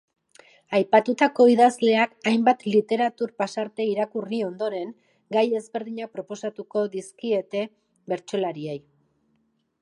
Aipatutako idazleek hainbat literatur pasarte irakurri ondoren, gai ezberdinak proposatuko dizkiete bertsolariei.